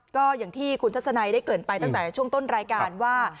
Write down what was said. ก็อย่างที่คุณทัศนัยได้เกิดไปตั้งแต่ช่วงต้นรายการว่า